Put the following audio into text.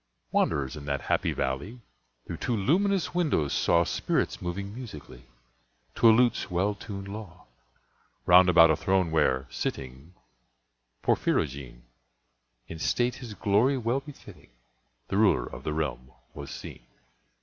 Wanderers in that happy valley, Through two luminous windows, saw Spirits moving musically, To a lute's well tunèd law, Round about a throne where, sitting (Porphyrogene!) In state his glory well befitting, The ruler of the realm was seen.